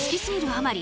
あまり